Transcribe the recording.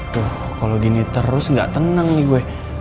tuh kalo gini terus gak tenang nih gue